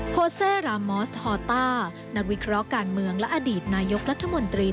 โซเซรามอสฮอต้านักวิเคราะห์การเมืองและอดีตนายกรัฐมนตรี